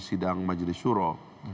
sidang majelis syuro